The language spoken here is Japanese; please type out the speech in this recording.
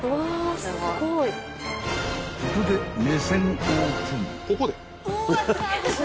［ここで目線オープン］